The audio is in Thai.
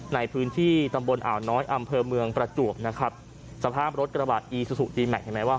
ในพื้นที่ตำบลอ่าวน้อยอำเภอเมืองประจวบนะครับสภาพรถกระบาดอีซูซูดีแม็กเห็นไหมว่า